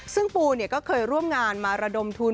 ซึ่งปูก็เคยร่วมงานมาระดมทุน